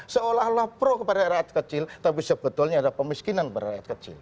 seolah olah pro kepada rakyat kecil tapi sebetulnya adalah pemiskinan kepada rakyat kecil